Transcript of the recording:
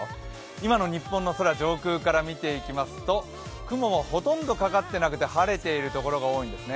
今の日本の空、上空から見ていきますと雲はほとんどかかってなくて晴れてる所が多いんですね。